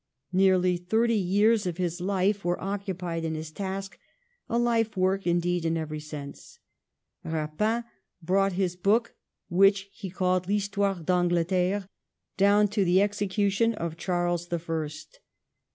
Nearly thirty years of his Ufe were occupied in his task — a life work indeed in every sense. Eapin brought his book, which he called ' L'Histoire d'Angleterre,' down to the Execu tion of Charles the First.